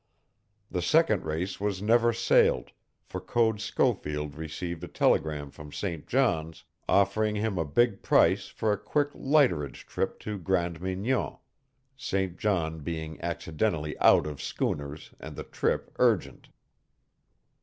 The second race was never sailed, for Code Schofield received a telegram from St. John's, offering him a big price for a quick lighterage trip to Grande Mignon, St. John being accidentally out of schooners and the trip urgent.